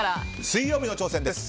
水曜日の挑戦です。